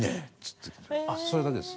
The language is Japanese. ってそれだけです。